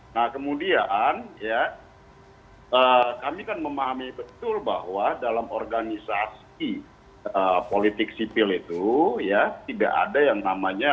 nah kemudian ya kami kan memahami betul bahwa dalam organisasi politik sipil itu ya tidak ada yang namanya